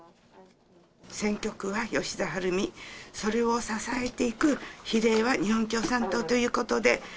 選挙区は吉田晴美、それを支えていく比例は日本共産党ということで。